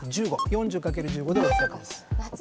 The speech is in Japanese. ４０×１５で「６００」です。